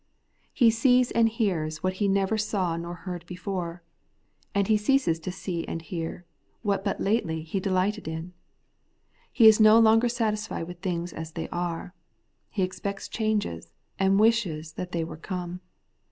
He sees and hears what he never saw nor heard before ; and he ceases to see and hear what but lately he delighted in. He is no longer satisfied with things as they are. He expects changes, and wishes that they were come.